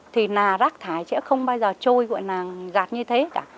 thì là rác thải sẽ không bao giờ trôi gạt như thế cả